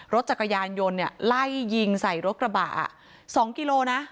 รถจักรยานยนต์เนี่ยไล่ยิงใส่รถกระบะ๒กิโลนะ